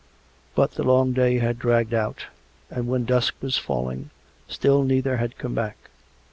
But the long day had dragged out; and when dusk was falling, still neither had come back.